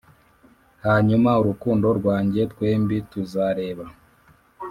hanyuma, rukundo rwanjye, twembi tuzareba